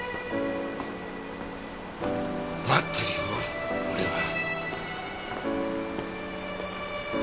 待ってるよ俺は。